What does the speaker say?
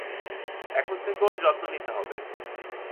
এখন থেকে ওর যত্ন নিতে হবে।